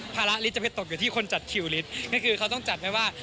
ภาระฤทธิ์จะไปตกอยู่ที่คนจัดชีวิตก็คือเขาต้องจัดไหมว่า